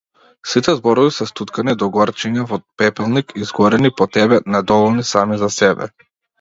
Сите зборови се стуткани догорчиња во пепелник, изгорени по тебе, недоволни сами за себе.